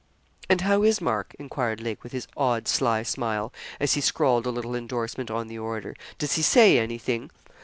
'And how is Mark?' enquired Lake, with his odd, sly smile, as he scrawled a little endorsement on the order. 'Does he say anything?'